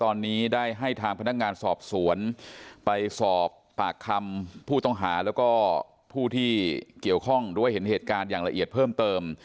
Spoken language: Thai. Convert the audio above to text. ตอนนี้ได้ให้ทางพนักงานสอบสวนไปสอบปากคำผู้ต้องหาแล้วก็ผู้ที่เกี่ยวข้องด้วยเห็นเหตุการณ์อย่างละเอียดเพิ่มเติม